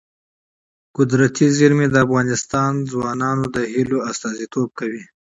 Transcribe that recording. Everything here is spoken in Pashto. طبیعي زیرمې د افغان ځوانانو د هیلو استازیتوب کوي.